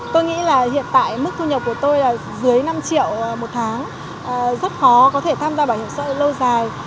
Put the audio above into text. tôi nghĩ là hiện tại mức thu nhập của tôi là dưới năm triệu một tháng rất khó có thể tham gia bảo hiểm xã hội lâu dài